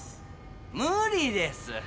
む理です。